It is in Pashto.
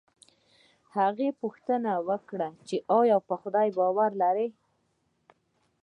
هغې پوښتنه وکړه چې ایا په خدای باور لرې